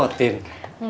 aduh jadi ngerepotin